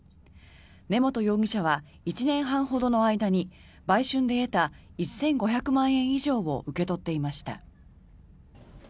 根本容疑者は１年半ほどの間に売春で得た１５００万円以上を受け取っていました。